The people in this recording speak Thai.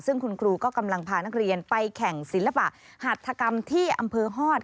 ซึ่งคุณครูก็กำลังพานักเรียนไปแข่งศิลปะหัฐกรรมที่อำเภอฮอต